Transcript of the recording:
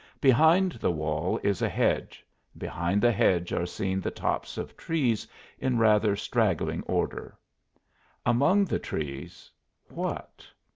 Behind the wall is a hedge; behind the hedge are seen the tops of trees in rather straggling order. Among the trees what?